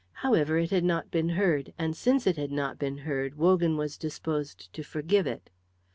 However, it had not been heard, and since it had not been heard, Wogan was disposed to forgive it.